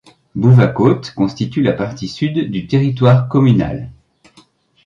Bouvacôte constitue la partie sud du territoire communal.